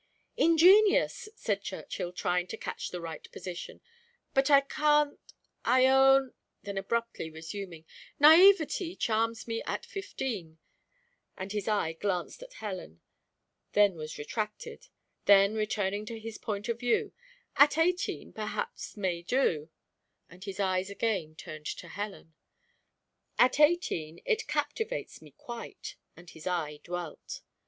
"Ingenious!" said Churchill, trying to catch the right position; "but I can't, I own " then abruptly resuming, "Navïeté charms me at fifteen," and his eye glanced at Helen, then was retracted, then returning to his point of view, "at eighteen perhaps may do," and his eyes again turned to Helen, "at eighteen it captivates me quite," and his eye dwelt.